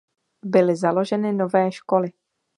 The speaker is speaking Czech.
Byly založeny nové školy.